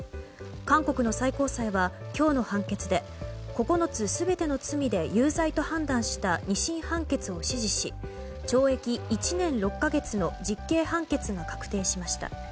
韓国の最高裁は、今日の判決で９つ全ての罪で有罪と判断した２審判決を支持し懲役１年６か月の実刑判決が確定しました。